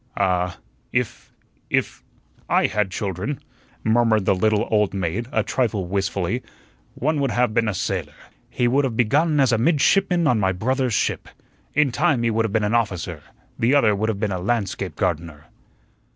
"Ah, if if I had children," murmured the little old maid a trifle wistfully, "one would have been a sailor; he would have begun as a midshipman on my brother's ship; in time he would have been an officer. The other would have been a landscape gardener."